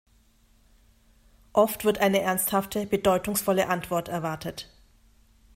Oft wird eine ernsthafte, bedeutungsvolle Antwort erwartet.